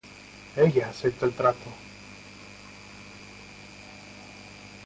Ella acepta el trato.